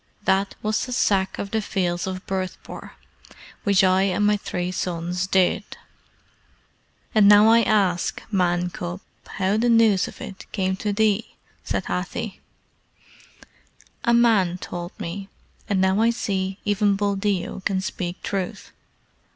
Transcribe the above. That was the Sack of the Fields of Bhurtpore, which I and my three sons did; and now I ask, Man cub, how the news of it came to thee?" said Hathi. "A man told me, and now I see even Buldeo can speak truth.